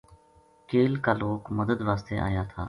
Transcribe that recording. کیل کا لوک مدد واسطے آیاتھا